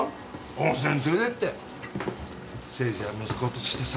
温泉連れてって誠治は息子として最高だな。